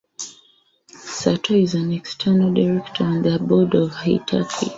Sato is an external director on the board of Hitachi.